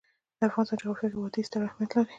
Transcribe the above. د افغانستان جغرافیه کې وادي ستر اهمیت لري.